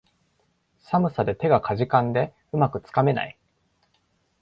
寒さで手がかじかんで、うまくつかめない